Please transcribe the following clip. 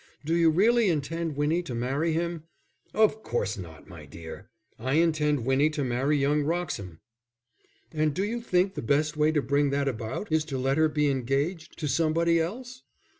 "Do you really intend Winnie to marry him?" "Of course not, my dear. I intend Winnie to marry young Wroxham." "And do you think the best way to bring that about is to let her be engaged to somebody else?"